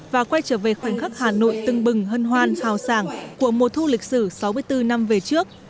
và quay trở về khoảnh khắc hà nội tưng bừng hân hoan hào sảng của mùa thu lịch sử sáu mươi bốn năm về trước